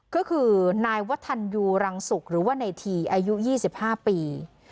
ก็คือนายวัฒนยูรังสุกหรือว่าในทีอายุ๒๕ปี